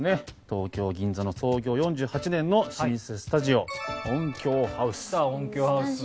東京銀座の創業４８年の老舗スタジオ音響ハウス。